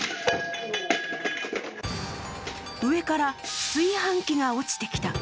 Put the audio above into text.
上から、炊飯器が落ちてきた。